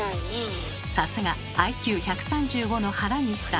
さすがＩＱ１３５の原西さん。